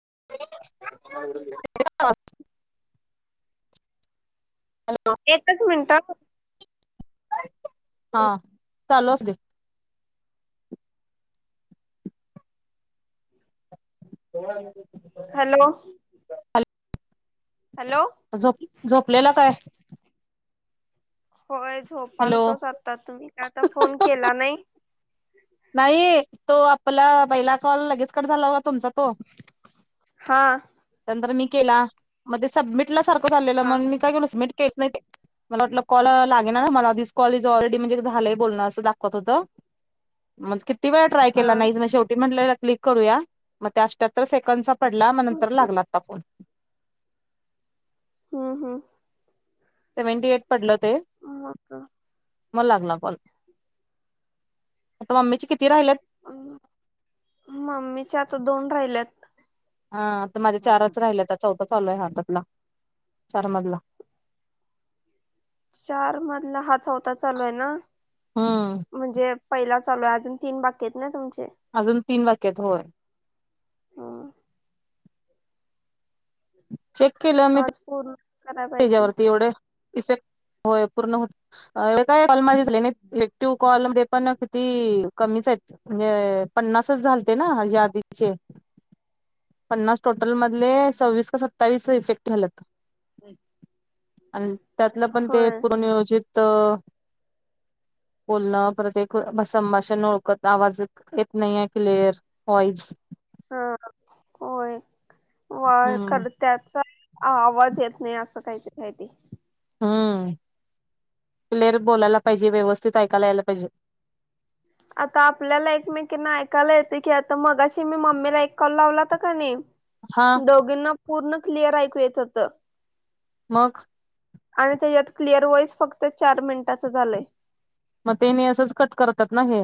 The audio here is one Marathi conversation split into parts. [inaudible] एकच मिनट हा चालू असुदे हो हॅलो हल हॅलो झोप झोपलेला काय होय झोपाल हॅलो तोच आता तुम्ही काय आता फोन केला नाही नाही तो आपला बैला कॉल लगेच कड झाला हो तुमचा तो हा नर मी सबटार हा मी काय सट म कॉलेज ऑलरेडी म्हणजे झालं बोलणं असं दाखत होतं म्हज ति वेळ ट्राय हा केला नाही म शेवी म्हट क्लिक करूया मग त्या अहत्तर सेकंडचा पडला म नंतर लागला आता फोन हा हम सेवनटी एट पडलं ते मग मला लागला ब आता मम्मीची किती राहिल ला हा तर माझे चारच राहिले आ चौथा चालू आहे ह ला शर्मातला चार मधला हा चौथा चालू आहे ना हम्म म्हणजे पहिला ल अजून ती बागकेत ना अजून तीन वाक्यात होय ह हम आज पूर्ण कराय पाहिजे त्याच्यावरती एवढे इफेक्ट हो पूर्ण हो काय एक्टिव कॉलमध्ये पण किती कमीच आहेत म्हणजे पन्नासच झालते नाजे आधीचे पन्नास टोटल मधले सव्वीस का सत्तावीस इफेक्ट झालात आणि त्यातलं पण ते होय पुूर्नियोजित [inaudible] बोलणं परते संभाषण ओळखत आवाज येत नाहीये क्लिअर वॉईज हा होय व ख हम्म त्याचा आवाज येत नाही असं काहीत काहीती हम्म क्लेअर बोलायला पाहिजे व्यवस्थित ऐकायला यायला पाहिजे आता आपल्याला एकमेकीना ऐकायला येतं की आता मगाशी मी मम्मीला एक कॉल लावलाता का नाही हा दोघींना पूर्ण क्लिअर ऐकू येत होत मग आणि त्याच्यात क्लिअर वॉइस फक्त चार मिनिटाच झालंय मग तेनी असंच कट करतात ना हे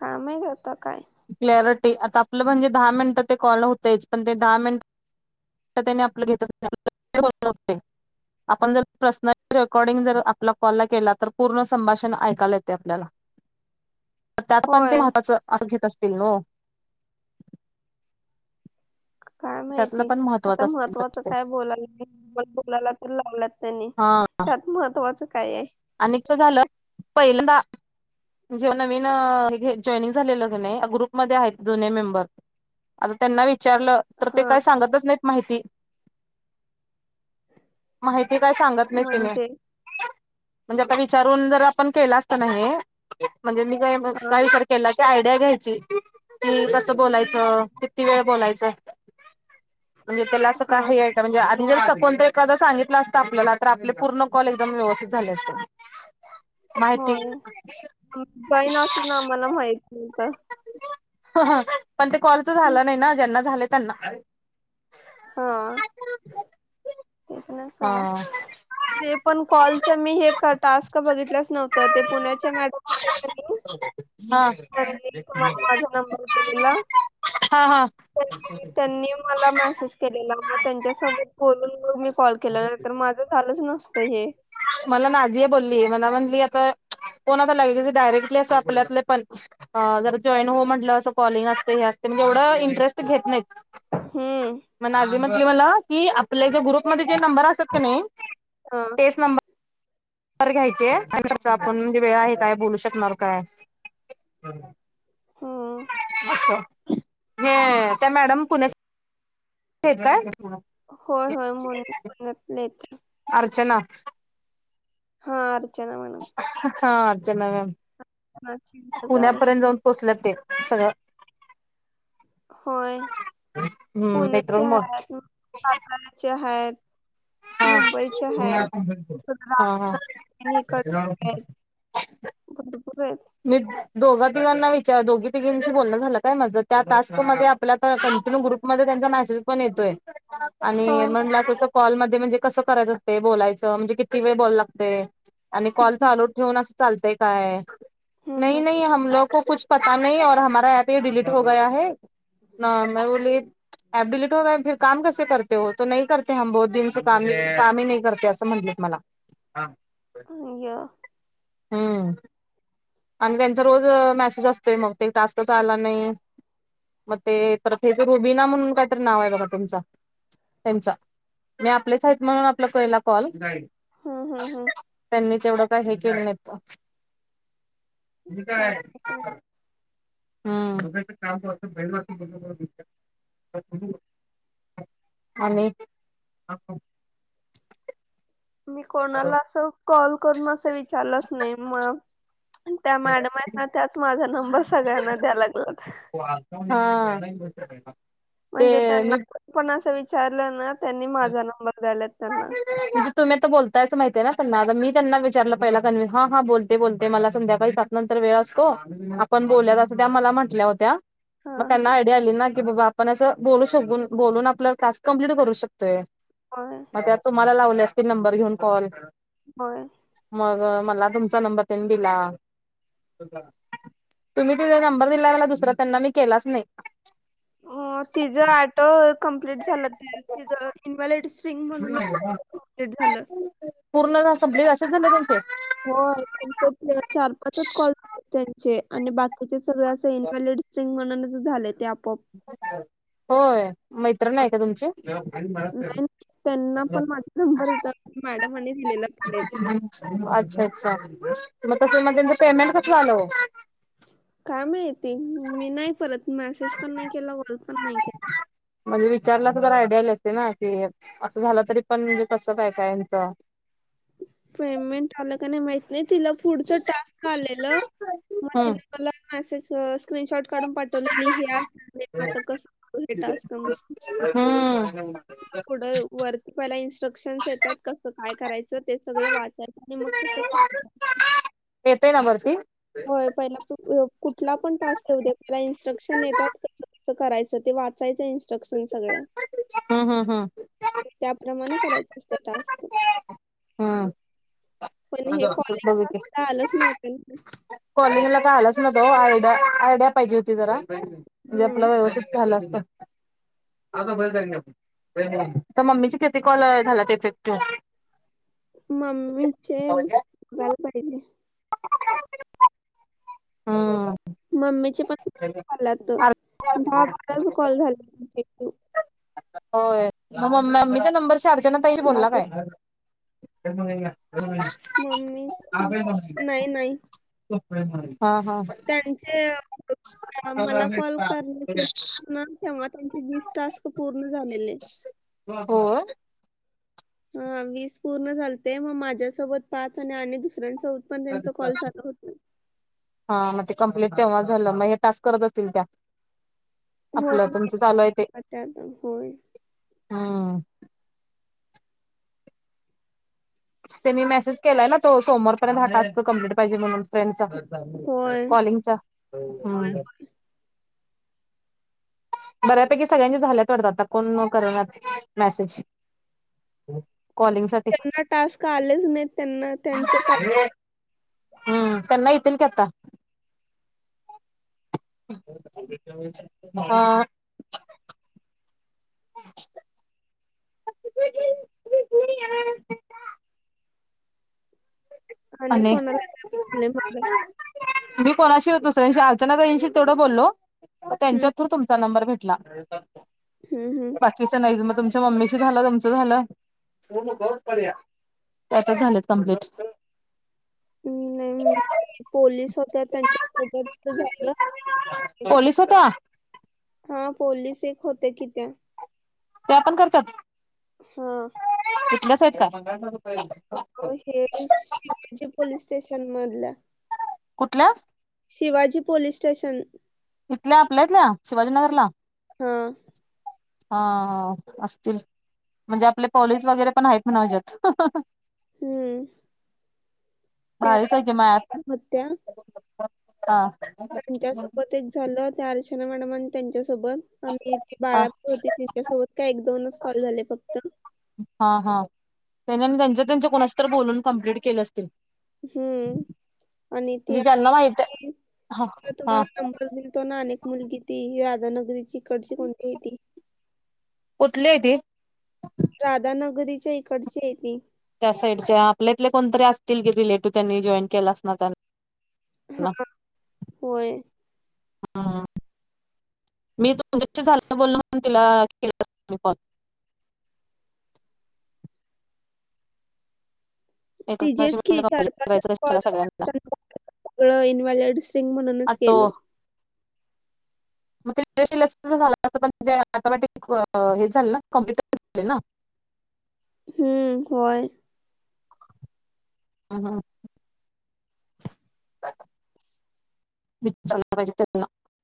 कामही जातं काय क्लॅरिटी आता आपलं म्हणजे दहा मिनिटं ते कॉल होतेच पण ते दहा मिनिट त्यानी आपलं घेत आपण जर प्रश्न रेकॉर्डिंग जर आपल्या कॉल ला केला तर पूर्ण संभाषण ऐकायला येते आपल्याला [inaudible] तर त्यात पण ते होय मातच घेत असतील न. काय माहिती आता महत्त्वाचं असेल काय बोलाय बोलायला तर लावलात त्यांनी. हा त्यात महत्त्वाचं. काय आहे आणि झालं पहिल्यांदा. जेव नवीन जॉइनिंग झालेलं नाही ग्रुपमध्येध्ये आहेत दोन्ही मेंबर. आता त्यांना विचारलं तर ते हा काय सांगतच नाहीत माहिती. माहिती काय सांगत नाही तिने. म्हणजे म्हणजे आता विचारून जर आपण केला असता नाही म्हणजे मी काय हा काय विचार केला क. ्या घ्यायची कि कस बोलायचं किती वेळ बोलायच. म्हणजे त्याला असं हा काही आहे का म्हणजे आधी जऊत. कोणत एखादा सांगितलं असत आपल्याला तर आपले पूर्ण कॉल एकदम व्यवस्थित झाले असते. माहिती. होय जॉईन असून आम्हाला माहित नव्हतं पण ते कॉलच झालं नाही ना ज्यांना झाले त्यांना. हा तेथ नाही चला. हा ते पण कॉलच मी हे टास्क बघितलंच नव्हतं ते पुण्याच्या मॅडम. हा नी तुम्हाला माझा नंबर दिईला. हा हा त्यांनी मला मेसेज. मग त्यांच्यासोबत बून म मी कॉल केला नाही माझ झालंच न मला नाझिया बोलली मला म्हणली आता आता लागेल डायरेक्टली अस आपल्या पण ज जॉईन हो म्हटलं अस कॉलिंग असते अस म्हणजेवढं इंटरेस्ट घेत नाहीत हम्म मला की आपल्या ग्रुपमध्ये जे नंबर असत का नाही हा बर घ्यायचे आणि आपणे वेळ आहे काय बोलू शकणार काय हम्म अचा हे त्या मॅडम पुण्या काय हो हो म मत लत अर्चना हा अरच हा अर्चना मॅम पुण्याची गावे पुण्यापर्यंत जाऊन पोहोचल्या ते सगळ होय हम्म मेट्रो पुण्याचे मुळं आहेत सातााराचे आहेत हा मुंबईच्या आहेतकड हा हा आहेत भरपूर आहेत दोघ तिघांना विचार दोघी तिघीशी बोलणं झालं काय माझ त्या टास्क मध्ये आपल्या कंटिन्यू ग्रुपमध्ये त्यांचा हा [unintelligible] े क कराय अस बोयच म्हणजे किती वेळ ब लागते आणि कॉल चालू ठेून चालते काय हम्म नाही नाही हमलो कुछ पता नाहीऔर हमारा ऍप हे डिलीट होगया है न मे बोली ॲप डिलीट हो गया फिर काम कैसे करते हो तो नही करते हम बहुत दिन से काम ही नाही करते असं म्हटलं मला [inaudible] हम्म आणि त्यांचा रोज मेसेज असतोय मग ते टासलं तर आला नाही मग ते प्रथेच रुबीना म्हणून कायतरी नाव आहे बघा तुमच त्यांचा मी आपलेच आहेत म्हणून आपला कला कॉल हा हा हा वढं का य काय माहित नाही च का ब ब आणि मी कोणाला अस कॉल करून असं विचारलंच नाही म त्या मॅडम ना त्याच माझा नंबर सगळ्यांना द्या लागला [unintelligible] म्हणजे ते त्यांना मी पण अस विचारलं ना त्यांनी माझा नंबर द्याला म्हणजे तुम्ही आता बोलताय असं माहितय ना सना मी त्यांना विचारलं कन् ह ह ब ब मला संध्याकाळी सात नंतर वेळ असतो आपण ब म म्हटल्या हो हा म हा त्यांना आयडया पण असं बोलू शून बोलून आपला क्लास कमप्लीट करू शकतोय होय मग त्या तुम्हाला लावल्या असतील नंबर घेऊन कॉल होय मग मला तुमचा नंबर त्यांनी दिला तुम्ही तीचा नंबर दिलायं दुसरा त्यांना मी केलाच नाही तिचं आटो कंप्लीट झालं त इनव्हॅलिड सिंग म्हणूनच कपलेट झालं पूर्ण टास्क कम्प्लीट सगळे अ असेच झाले त्याचे होय चार पाचच कॉल त्यांचे आणि बाकीचे सगळ्या इन्व्हॅलिड स्ट्रिंग म्हण झालं ते आपोआप होय मैत्रण आहे का तुमची नाही नाही, त्यांना पण माझा नंबर होता मॅडमांनी दिलेला कॉलेज [unintelligible] अच्छा अच्छा मग तस मग त्यांचं पेमेंट कसं आलं काय माहिती मी नाही परत मेसेज पण नाही केला कॉल पण नाही केला. म्हणजे विचारला तर ज आयडिया लसते ना की असं झालं तरी पण म्हणजे कसं काय कायच [unintelligible] पेमेंट आलं का नाही माहित नाही. तिला पुढचा टास्क आलेलं मग हम्म तिने मला मेसेज अ स्क्रीनशॉट काढून पाठवलेली हे आता कस टास्क करायचं. हम्म पुढं वर्क पहिला ऑप्शन येतात कस काय करायचं ते सगळं वाचायचं आणि मग तस येतय ना भरती होय पहिला कुठला पण टास्क येऊ दे पहिले इन्स्ट्रक्शन येतात. करायचं ते वाचायचं इनस्ट्रक्शन सगळे हम्म हम्म हम्म त्याप्रमाणे करायच असतय टास्क हम पण हे कॉलिगच्या कुठ आलंच नव्हतं ना कॉलिंग ला काय आलंच नव्हतं हो आयडिया आयडिया पाहिजे होती जरा म्हणजे आपला हम्म व्यवस्थित झाल असत. अ मम्मीचे किती कॉल झाल्यात इफेक्टिव्ह मम्मीचे बघाय पाहिजे. हम्म मम्मीचे पण झाल्यात दहा बाराच कॉल झाल्यात होय मग मम्मीच्या नंबरच्या अर्चना तही बोलला बाकी काय [inaudible] [inaudible] मम्मी नाही नाही. हा हा त्यांचे [inaudible] मला कॉल केला ना तेव्हा त्यांचे वीस टास्क पूर्ण झालेले. होय हा वीस पूर्ण झालते मग माझ्यासोबत पाच आणि दुसऱ्यांस हा म ते कम्प्लीट तेव्हा झालं मग हे टास्क करत असतील त्या आपलं होय तुमचं चालू आहे होय हा त्यांनी मेसेज केलाय ना तो सोमवारपर्यंत हा टास्क कंप्लीट पाहिजे म्हणून फ्रेंडचा होय कॉलिंगचा बऱ्यापैकी सगळ्यांचे झाल्यात वाटत आता कोण करण्यात मेसेज कॉलिंग साठी त्यांना टास्क आलेच नाही त्यांना त्यांचं काय हम्म त्यान्हा येतील की आता [inaudible] हा [unintelligible] आणि कोणाला काय प्रॉब्लेम असेल. मी कोणाशी दुसऱ्यांशी अर्चना ताईंशी तेवढं बोललो हम्म, त्यांच्या थ्रू तुमचा नंबर भेटला. हम्म, हम्म. बाकीचं नाइच मग तुमच्या मम्मीशी झालं तुमचं झालं पडया [inaudible] त्यात झालेत कम्प्लीट [inaudible] ह मी नाही [unintelligible] मी पोलीस होत्या त्यांच्या सोबत झालं पोलीस होत्या [inaudible] हा पोलीस एक होते कि त्या- त्या पण करतात हा तिथल्या आहेत का- हे शिवाजी पोलीस स्टेशन मधल्या कुठल्या शिवाजी पोलीस स्टेशन इथल्या आपल्या इथल्या शिवाजीनगरला हा हा असतील म्हणजे आपले पोलीस वगैरे पण आहेत म्हण [unintelligible] हम्म त्या एक हा त्यांच्या सोबतच झालं त्या अर्चना मॅडम त्यांच्या हा बाळा पण होती तिच्यासोबत का एक दोनच कॉल झाले फक्त हा हा त्या त्यांच्या त्यांच्या कुणाशी तर बोलून कमप्लीट केले असतील हम्म आणि ती म्हणजे ज्यांना माहित आहे. हा तर हा तुम्हाला नंबर दिले ना अनेक मुलगी ती राधानगरी कडची कोणती ती कुठले ती राधानगरीच्या इकडची आहे ती त्या साईडच्या आपल्यातले कोणतरी असतील की रिलेटिव्ह त्यांनी जॉईन केला असणार त्यां हा होय हा मी तुमच्याशी झाले बोलल तिला के फ [unintelligible] एकमेकांशी तिझेच की बोलणं कंप्लीट चार-पाच करायचं कॉल कशाला सगळ्यांना झाले सगळं इन्व्हॅलेड सिंग म्हणूनच ग ऑटो केलं मग झा पण टोमॅटिक हे झाले ना कम्प्युटर ना [unintelligible] हम्म होय. हम्म, हम्म. [unintelligible]